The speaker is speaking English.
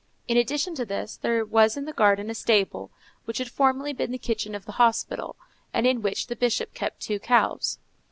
In addition to this, there was in the garden a stable, which had formerly been the kitchen of the hospital, and in which the Bishop kept two cows.